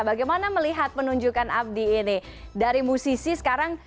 bagaimana melihat penunjukan abdi ini dari musisi sekarang